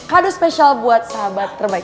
kado spesial buat sahabat terbaik